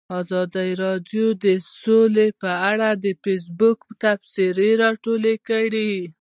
ازادي راډیو د سوله په اړه د فیسبوک تبصرې راټولې کړي.